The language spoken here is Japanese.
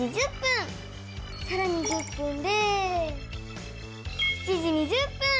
さらに１０分で７時２０分！